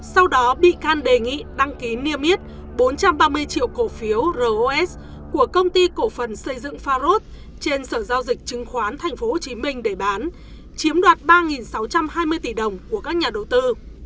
sau đó bị can đề nghị đăng ký niêm yết bốn trăm ba mươi triệu cổ phiếu ros của công ty cổ phần xây dựng pharos trên sở giao dịch chứng khoán tp hcm để bán chiếm đoạt ba sáu trăm hai mươi tỷ đồng của các nhà đầu tư